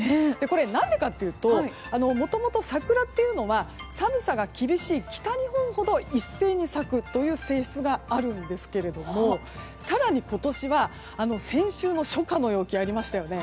何でかというともともと桜というのは寒さが厳しい北日本ほど一斉に咲くという性質があるんですけども更に今年は先週の初夏の陽気がありましたよね。